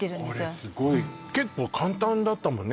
これすごい結構簡単だったもんね